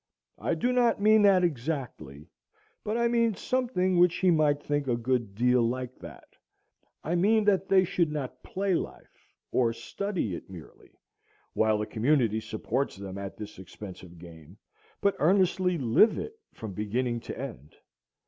I do not mean that exactly, but I mean something which he might think a good deal like that; I mean that they should not play life, or study it merely, while the community supports them at this expensive game, but earnestly live it from beginning to end.